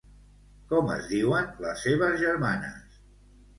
Com es diuen les seves germanes?